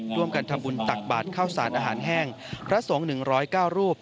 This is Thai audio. ร่วมกันทำบุญตักบาทเข้าสารอาหารแห้งพระสงฆ์๑๐๙รูป